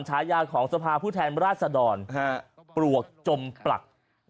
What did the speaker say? ฉายาของสภาผู้แทนราชดรปลวกจมปลัก